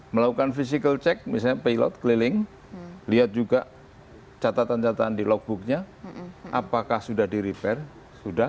melakukan physical check misalnya pilot keliling lihat juga catatan catatan di logbooknya apakah sudah di repair sudah